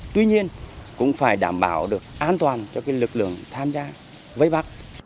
tuy nhiên cũng phải đảm bảo được an toàn cho lực lượng tham gia vây bắt